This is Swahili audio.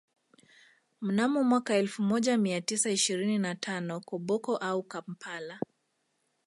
Mnamo mwaka elfu moja mia tisa ishirini na tano Koboko au Kampala